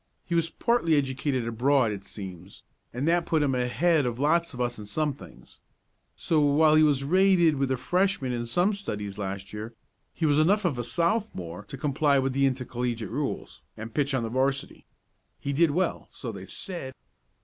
He was partly educated abroad, it seems, and that put him ahead of lots of us in some things. So, while he was rated with the Freshmen in some studies last year, he was enough of a Sophomore to comply with the intercollegiate rules, and pitch on the 'varsity. He did well, so they said."